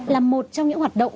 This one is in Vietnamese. là một trong những hoạt động